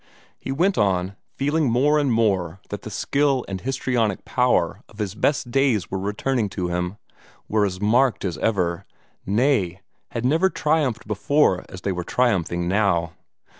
He went on, feeling more and more that the skill and histrionic power of his best days were returning to him, were as marked as ever nay, had never triumphed before as they were triumphing now.